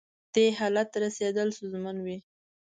دې حالت رسېدل ستونزمن وي.